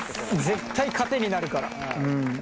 絶対糧になるから。